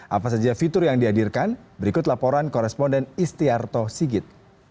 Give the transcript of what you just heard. apa saja fitur yang dihadirkan berikut laporan koresponden istiarto sigit